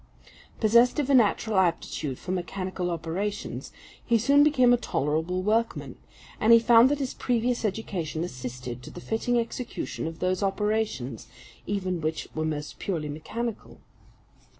Possessed of a natural aptitude for mechanical operations, he soon became a tolerable workman; and he found that his previous education assisted to the fitting execution of those operations even which were most purely mechanical.